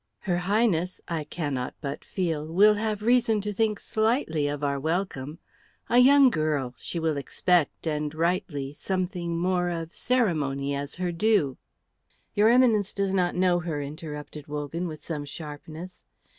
"Her Highness I cannot but feel will have reason to think slightly of our welcome. A young girl, she will expect, and rightly, something more of ceremony as her due." "Your Eminence does not know her," interrupted Wogan, with some sharpness.